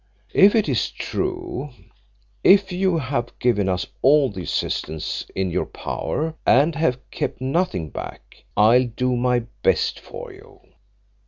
"If it is true if you have given us all the assistance in your power and have kept nothing back, I'll do my best for you.